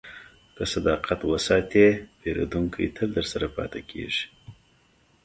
که صداقت وساتې، پیرودونکی تل درسره پاتې کېږي.